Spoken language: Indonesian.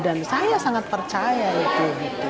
dan saya sangat percaya gitu